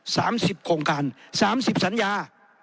สามสิบโครงการสามสิบสัญญา